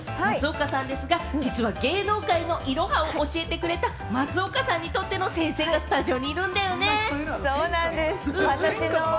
今回、教師役を演じる松岡さんですが、芸能界のいろはを教えてくれた松岡さんにとっての先生がスタジオにいるんだよね？